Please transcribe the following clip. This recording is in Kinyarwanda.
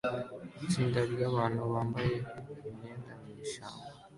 Itsinda ryabantu bambaye imyenda mwishyamba